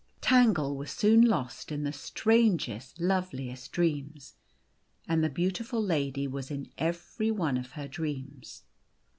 Tangle \\ as >oon lost in the strangest, loveliest dreams. And the beautiful lady was in every one of her dream^.